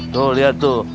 tuh lihat tuh